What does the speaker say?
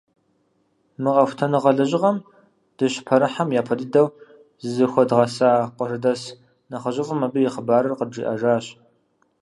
Мы къэхутэныгъэ лэжьыгъэм дыщыпэрыхьэм, япэ дыдэ зызыхуэдгъэза къуажэдэс нэхъыжьыфӏым абы и хъыбарыр къыджиӏэжащ.